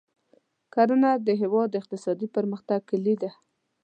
کرنه د هېواد د اقتصادي پرمختګ کلي ده.